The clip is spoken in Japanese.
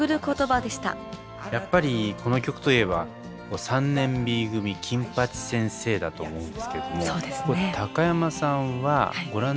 やっぱりこの曲といえば「３年Ｂ組金八先生」だと思うんですけども高山さんはご覧になってましたか？